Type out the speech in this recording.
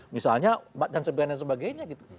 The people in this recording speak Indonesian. misalnya dan sebagainya gitu